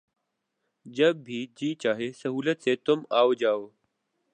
جب بھی جی چاہے سہولت سے تُم آؤ جاؤ